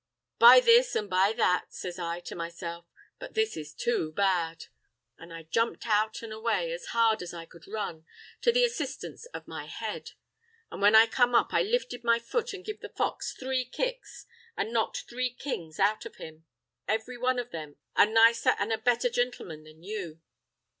'By this an' by that,' says I to meself, 'but this is too bad!'—an' I jumped out an' away as hard as I could run, to the assistance of my head. An' when I come up, I lifted my foot, an' give the fox three kicks, an' knocked three kings out of him—every one of them a nicer an' a better jintleman than you."